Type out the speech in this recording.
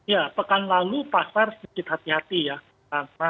ya pekan lalu pasar sedikit hati hati ya